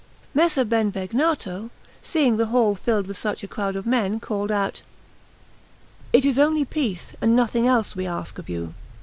Messer Benvegnato, seeing the hall filled with such a crowd of men, called out: "It is only peace, and nothing else, we ask of you."